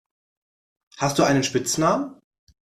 Hast du einen Spitznamen?